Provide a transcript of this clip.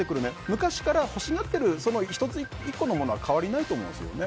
昔から欲しがっているその１個のものは変わりないと思うんですよね。